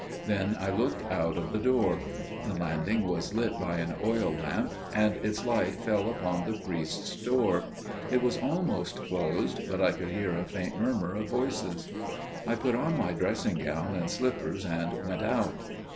Then I looked out of the door. The landing was lit by an oil lamp, and its light fell upon the priest's door. It was almost closed, but I could hear a faint murmur of voices. I put on my dressing gown and slippers and went out.